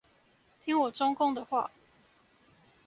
聽我中共的話